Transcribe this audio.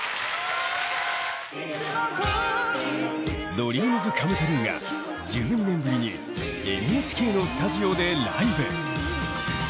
ＤＲＥＡＭＳＣＯＭＥＴＲＵＥが１２年ぶりにＮＨＫのスタジオでライブ！